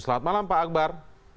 selamat malam pak akbar